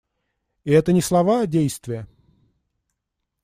И это не слова, а действия.